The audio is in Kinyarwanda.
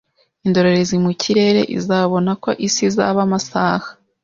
Indorerezi mu kirere izabona ko Isi isaba amasaha